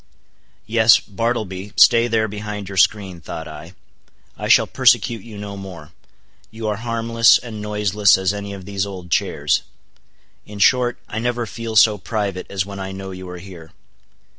Yes, Bartleby, stay there behind your screen, thought I; I shall persecute you no more; you are harmless and noiseless as any of these old chairs; in short, I never feel so private as when I know you are here.